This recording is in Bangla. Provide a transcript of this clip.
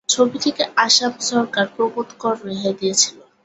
ছবিটিকে আসাম সরকার প্রমোদ কর রেহাই দিয়েছিল।